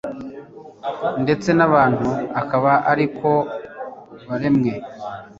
ndetse n'abantu akaba ari ko baremwe